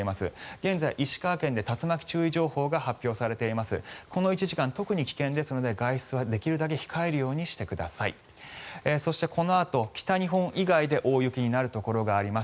現在、石川県で竜巻注意情報が発表されています。